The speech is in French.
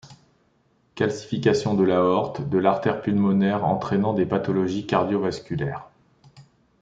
Calcifications de l'aorte, de l'artère pulmonaire entrainant des pathologies cardio-vasculaires.